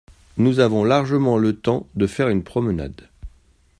Nous avons largement le temps de faire une promenade.